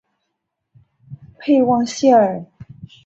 佩旺谢尔。